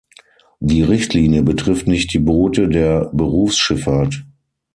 Die Richtlinie betrifft nicht die Boote der Berufsschifffahrt.